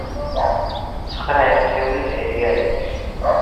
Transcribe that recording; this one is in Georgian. ცხრა ერთეული წერია ერთში.